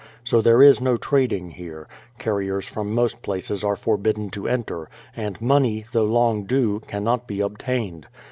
So there is no trading here; carriers from most places are forbidden to enter; and money, though long due, cannot be obtained.